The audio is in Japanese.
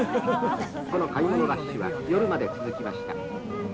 この買い物ラッシュは、夜まで続きました。